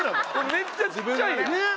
めっちゃちっちゃいやん。